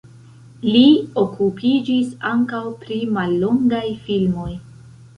Li okupiĝis ankaŭ pri mallongaj filmoj.